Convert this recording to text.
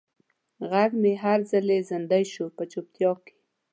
غږ مې هر ځلې زندۍ شو په چوپتیا کې